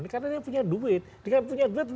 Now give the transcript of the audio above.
karena dia punya duit jika punya duit